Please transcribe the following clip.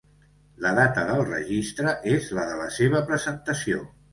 La data del registre és la de la seva presentació.